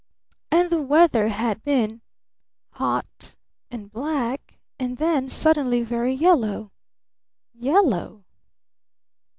And the weather hadbeen hot and black and then suddenly very yellow. Yellow?